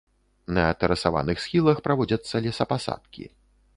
На тэрасаваных схілах праводзяцца лесапасадкі.